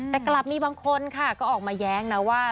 แต่กลับมีบางคนค่ะก็ออกมาแย้งนะว่า